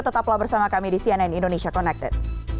tetaplah bersama kami di cnn indonesia connected